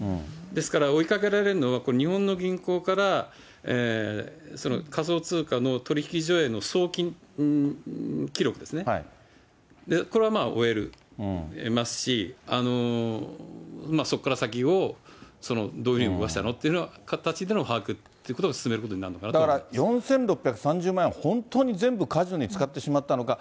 ですから追いかけられるのはこの日本の銀行から、その仮想通貨の取引所への送金記録ですね、これはまあ追えますし、そこから先をどういうふうに動かしたのっていう形での把握というだから４６３０万円を本当に全部カジノに使ってしまったのか。